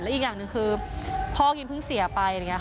และอีกอย่างหนึ่งคือพ่อกรีนเพิ่งเสียไป